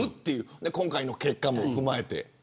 そして今回の結果も踏まえて。